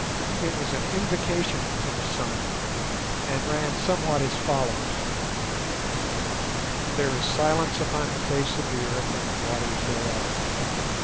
It was an invocation to the Sun, and ran somewhat as follows:— There is silence upon the face of the Earth and the waters thereof!